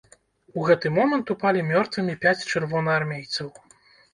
У гэты момант упалі мёртвымі пяць чырвонаармейцаў.